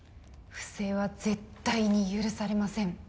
不正は絶対に許されません